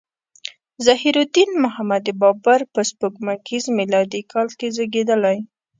ظهیرالدین محمد بابر په سپوږمیز میلادي کال کې زیږیدلی.